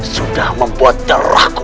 sudah membuat deraku